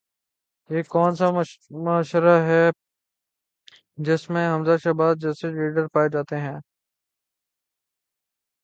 یہ کون سا معاشرہ ہے جس میں حمزہ شہباز جیسے لیڈر پائے جاتے ہیں؟